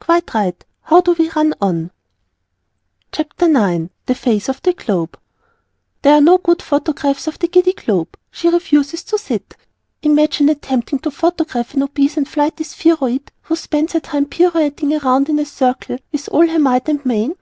Quite right! how we do run on! CHAPTER IX THE FACE OF THE GLOBE There are no good photographs of the Giddy Globe; she refuses to sit. Imagine attempting to photograph an obese and flighty Spheroid who spends her time pirouetting round in a circle with all her might and main.